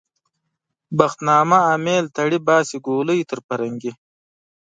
بخت نامه امېل تړي - باسي ګولۍ تر پرنګي